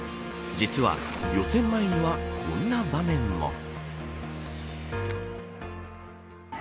実は予選前にはこんな場面も。